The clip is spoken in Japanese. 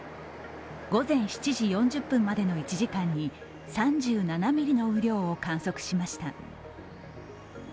午前７時４０分までの１時間に３７ミリの雨量を観測しました。